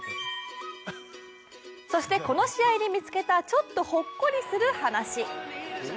そして、この試合で見つけたちょっとほっこりする話。